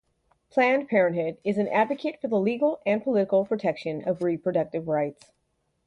Planned Parenthood is an advocate for the legal and political protection of reproductive rights.